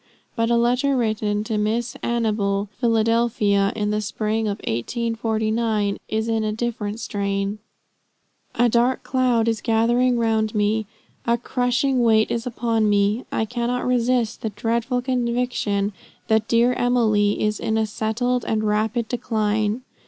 But a letter written to Miss Anable, Philadelphia, in the spring of 1849, is in a different strain: "A dark cloud is gathering round me. A crushing weight is upon me. I cannot resist the dreadful conviction that dear Emily is in a settled and rapid decline."